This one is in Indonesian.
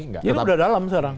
ini udah dalam sekarang